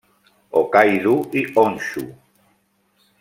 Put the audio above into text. Hokkaido i Honshu.